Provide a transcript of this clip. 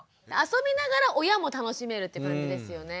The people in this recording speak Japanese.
遊びながら親も楽しめるって感じですよね。